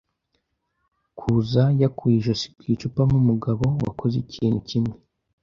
kuza, yakuye ijosi ku icupa nkumugabo wakoze ikintu kimwe